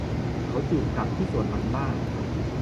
เขาจูบกับที่สวนหลังบ้าน